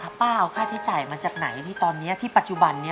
ป้าเอาค่าใช้จ่ายมาจากไหนที่ตอนนี้ที่ปัจจุบันนี้